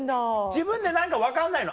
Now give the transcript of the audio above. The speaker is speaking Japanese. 自分で分かんないの？